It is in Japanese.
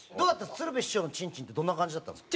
鶴瓶師匠のチンチンってどんな感じだったんですか？